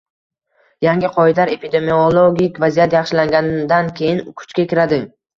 Yangi qoidalar epidemiologik vaziyat yaxshilanganidan keyin kuchga kiradi